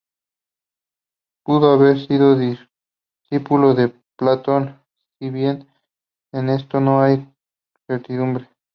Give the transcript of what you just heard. Pudo haber sido discípulo de Platón, si bien en esto no hay certidumbre.